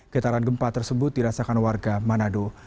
getaran gempa tersebut dirasakan warga manado